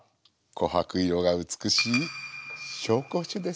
こはく色が美しい紹興酒です。